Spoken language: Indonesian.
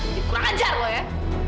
dikurang ajar lo ya